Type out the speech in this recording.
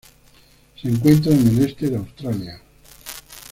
Se encuentra en el este de Australia.